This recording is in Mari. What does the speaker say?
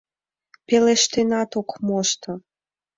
Пелештенат ок мошто.